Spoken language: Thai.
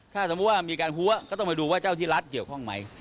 ถ้าสมมุติว่ามีการหัวก็ต้องไปดูว่าเจ้าที่รัฐเกี่ยวข้องไหม